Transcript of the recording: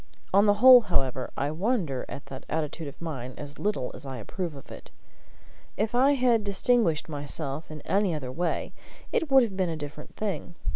On the whole, however, I wonder at that attitude of mine as little as I approve of it. If I had distinguished myself in any other way, it would have been a different thing.